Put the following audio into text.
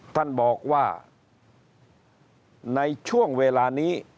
ท่านบอกว่าในช่วงเวลานี้